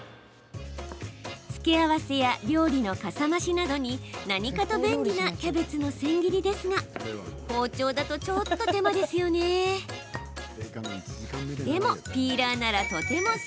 付け合わせや料理のかさ増しなどに何かと便利なキャベツのせん切りですが包丁だと、ちょっと手間ですよね。